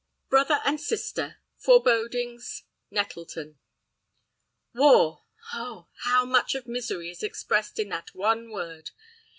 Brother and Sister—Forebodings—Nettleton. WAR! Oh! how much of misery is expressed in that one word!